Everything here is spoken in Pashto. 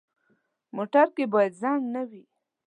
موټر کې باید زنګ نه وي.